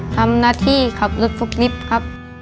ทำหน้าที่ขับรถฟุกลิฟต์ครับ